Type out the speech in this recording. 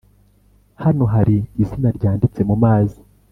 hano hari izina ryanditse mumazi